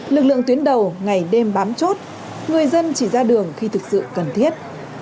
lực lượng tuyến đầu ngày đêm bám chốt người dân chỉ ra đường khi thực sự cần thiết